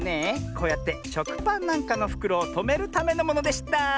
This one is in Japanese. こうやってしょくパンなんかのふくろをとめるためのものでした！